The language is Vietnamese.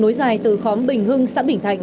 nối dài từ khóm bình hưng xã bình thạnh